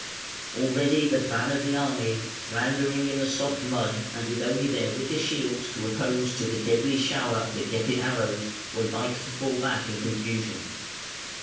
Already the van of the army, floundering in the soft mud, and with only their wicker shields to oppose to the deadly shower of the Gepid arrows, were like to fall back in confusion.